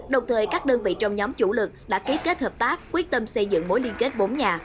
đồng thời các đơn vị trong nhóm chủ lực đã ký kết hợp tác quyết tâm xây dựng mối liên kết bốn nhà